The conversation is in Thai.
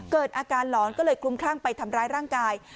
เกิดอาการหลอนก็เลยคลุมคลั่งไปทำร้ายร่างกาย